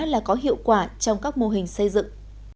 là có hiệu quả trong các mô hình xây dựng